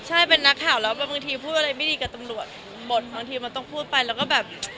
ใช่เป็นนักข่าวแล้วบางทีพูดอะไรไม่ดีกับตำรวจบทบางทีมันต้องพูดไปแล้วก็แบบ